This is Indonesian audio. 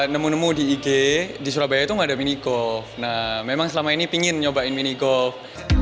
nemu nemu di ig di surabaya itu nggak ada mini golf nah memang selama ini pingin nyobain mini golf